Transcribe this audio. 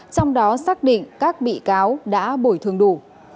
trong đó xác định các bị cáo đã bồi thường đủ